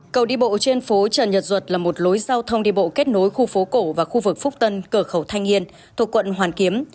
cầu đi bộ trên phố trần nhật duật là một lối giao thông đi bộ kết nối khu phố cổ và khu vực phúc tân cờ khẩu thanh yên thuộc quận hoàn kiếm